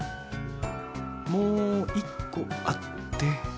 もう１個あって。